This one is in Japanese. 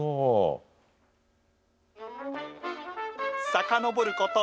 さかのぼること